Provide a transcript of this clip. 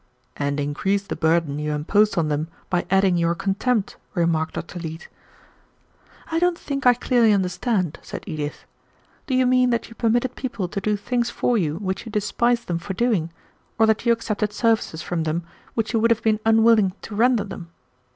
"And increased the burden you imposed on them by adding your contempt," remarked Dr. Leete. "I don't think I clearly understand," said Edith. "Do you mean that you permitted people to do things for you which you despised them for doing, or that you accepted services from them which you would have been unwilling to render them?